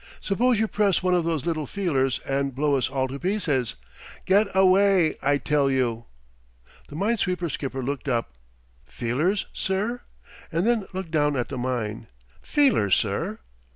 "Suppose you press one of those little feelers and blow us all to pieces get away, I tell you!" The mine sweeper skipper looked up "Feelers, sir?" and then looked down at the mine. "Feelers, sir?